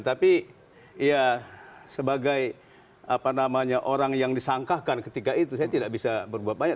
tapi ya sebagai apa namanya orang yang disangkakan ketika itu saya tidak bisa berbuat banyak